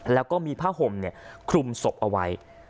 แล้วก็มีผ้าห่มคลุมศพเอาไว้